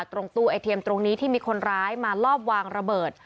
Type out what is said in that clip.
ตรงตู้ไอเทียมตรงนี้ที่มีคนร้ายมาลอบวางระเบิด